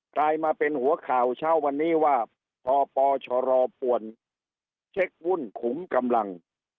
กลายมาเป็นหัวข่าวเช้าวันนี้ว่าพปชรปวนเช็ควุ่นขุมกำลัง